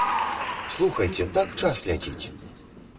Слухайце, так час ляціць!